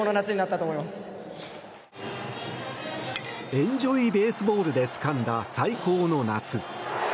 エンジョイ・ベースボールでつかんだ最高の夏。